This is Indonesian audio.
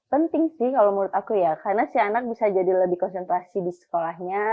penting sih kalau menurut aku ya karena si anak bisa jadi lebih konsentrasi di sekolahnya